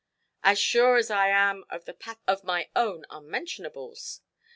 "As sure as I am of the pattern of my own unmentionables.